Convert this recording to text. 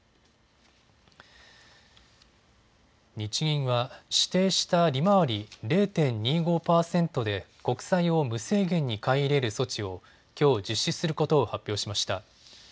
日銀は指定した利回り０．２５％で国債を無制限に買い入れる措置をきょう実施することを発表しました。